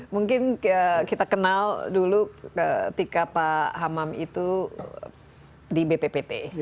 mungkin kita kenal dulu ketika pak hamam itu di bppt